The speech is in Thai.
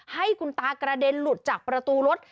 ให้คุณตากระเด็นหลุดจากประตูรถ